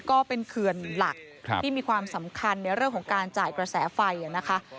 ก็เป็นเขื่อนหลักที่มีความสำคัญในเรื่องของการจ่ายกระแสไฟนะคะ